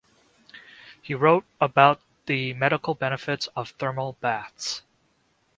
He wrote about the medical benefits of thermal baths.